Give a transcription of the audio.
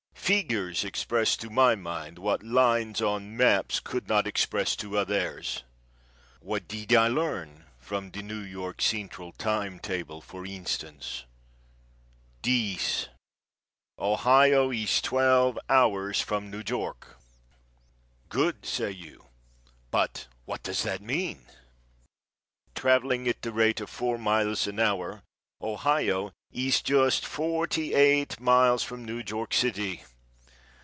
Figures express to my mind what lines or maps could not express to others. What did I learn from the New York Central time table, for instance? This: Ohio is twelve hours from New York. Good, say you but what does that mean? Travelling at the rate of four miles an hour, Ohio is just forty eight miles from New York city!